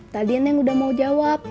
tadi neng udah mau jawab